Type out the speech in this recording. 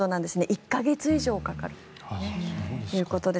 １か月以上かかるということです。